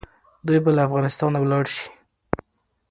دوی به له افغانستانه ولاړ سي.